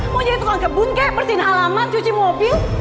mau jadi tukang kebun kayak persin halaman cuci mobil